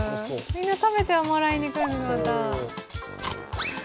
みんな食べてはもらいにくる、また。